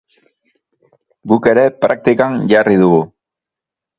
Guk ere praktikan jarri dugu!